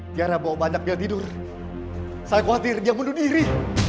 tiara bawa banyak dia tidur saya khawatir dia bunuh diri